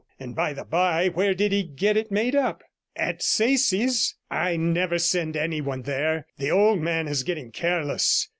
And by the by, where did he 111 get it made up? At Sayce's? I never send any one there; the old man is getting careless.